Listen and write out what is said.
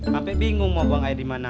sampai bingung mau buang air di mana